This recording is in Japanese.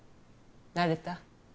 慣れた？